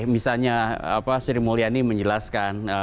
misalnya sri mulyani menjelaskan